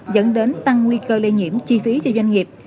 dẫn đến tăng nguy cơ lây nhiễm chi phí cho doanh nghiệp